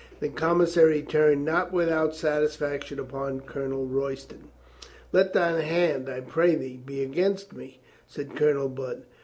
The commissary turned not without satisfaction upon Colonel Royston. " 'Let thine hand, I pray thee, be against me,' " said Colonel Budd.